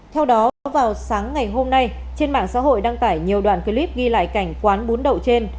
theo đó vào sáng ngày hôm nay trên mạng xã hội đăng tải nhiều đoạn clip ghi lại cảnh quán bún đậu trên